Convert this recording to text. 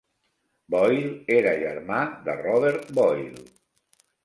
Boyle era germà de Robert Boyle.